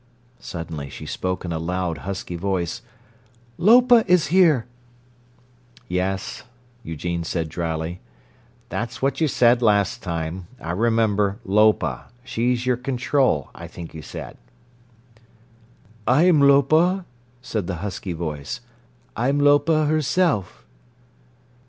Suddenly she spoke in a loud, husky voice: "Lopa is here!" "Yes," Eugene said dryly. "That's what you said last time. I remember 'Lopa.' She's your 'control' I think you said." "I'm Lopa," said the husky voice. "I'm Lopa herself."